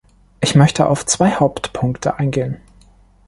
Ich möchte auf zwei Hauptpunkte eingehen.